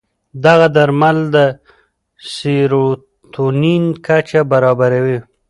دغه درمل د سیروتونین کچه برابروي.